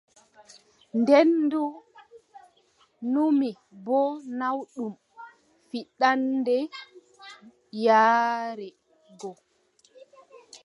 Nden ndu numi boo naawɗum fiɗaande yaare go.